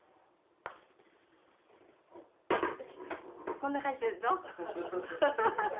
こんな感じでどう？